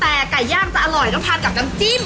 แต่ไก่ย่างจะอร่อยต้องทานกับน้ำจิ้ม